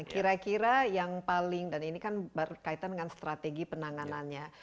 kira kira yang paling dan ini kan berkaitan dengan strategi penanganannya